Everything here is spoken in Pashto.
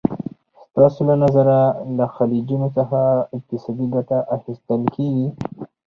ستاسو له نظره له خلیجونو څخه اقتصادي ګټه اخیستل کېږي؟